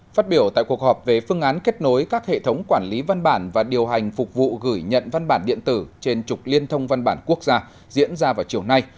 phát biểu tại cuộc họp về phương án kết nối các hệ thống quản lý văn bản và điều hành phục vụ gửi nhận văn bản điện tử trên trục liên thông văn bản quốc gia diễn ra vào chiều nay